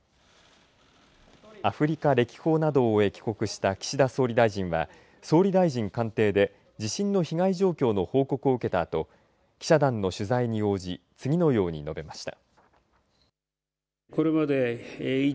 アフリカ歴訪などを終え帰国した岸田総理大臣は総理大臣官邸で地震の被害状況などの報告を受けたあと記者団の取材に応じ次のように述べました。